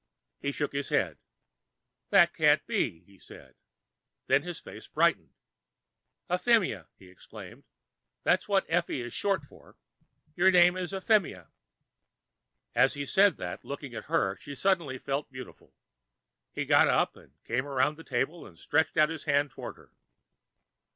He shook his head. "That can't be," he said. Then his face brightened. "Euphemia," he exclaimed. "That's what Effie is short for. Your name is Euphemia." As he said that, looking at her, she suddenly felt beautiful. He got up and came around the table and stretched out his hand toward her.